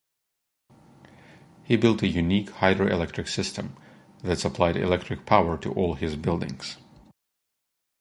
He built a unique hydroelectric system that supplied electric power to all his buildings.